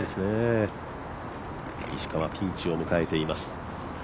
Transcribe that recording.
石川、ピンチを迎えています。